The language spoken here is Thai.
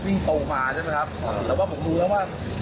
วิ่งโตงฝาใช่ไหมครับจะว่าผมรู้แล้วว่า